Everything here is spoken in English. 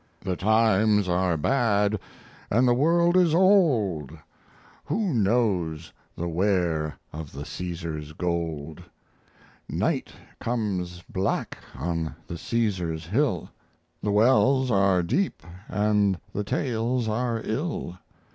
"The times are bad and the world is old Who knows the where of the Caesar's gold? Night comes black on the Caesar's hill; The wells are deep and the tales are ill.